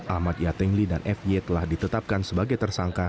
ahmad yatengli dan f y telah ditetapkan sebagai tersangka